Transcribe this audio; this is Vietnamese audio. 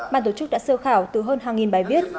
bàn tổ chức đã sơ khảo từ hơn hai bài viết